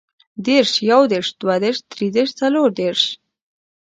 دېرش، يودېرش، دوهدېرش، دريدېرش، څلوردېرش